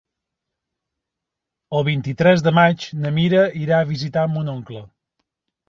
El vint-i-tres de maig na Mira irà a visitar mon oncle.